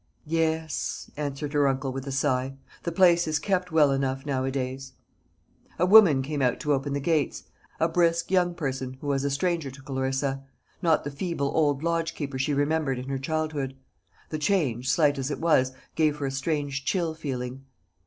"Yes," answered her uncle, with a sigh; "the place is kept well enough nowadays." A woman came out to open the gates a brisk young person, who was a stranger to Clarissa, not the feeble old lodge keeper she remembered in her childhood. The change, slight as it was, gave her a strange chill feeling.